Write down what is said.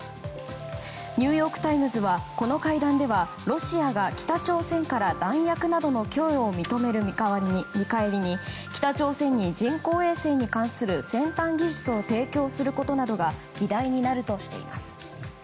ニューヨーク・タイムズはこの会談ではロシアが北朝鮮からの弾薬などの供与を求める見返りに北朝鮮に人工衛星に関する先端技術を提供することなどが議題になるとしています。